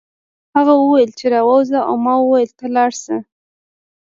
هغه وویل چې راوځه او ما وویل ته لاړ شه